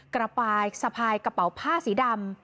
กระปายสะพายกระเป๋าผ้าสีดำ